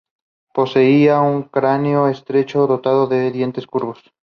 Drake procedió a modernizar el club, tanto dentro como fuera del campo.